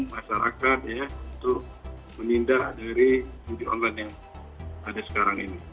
masyarakat ya untuk memindah dari judi online yang ada sekarang ini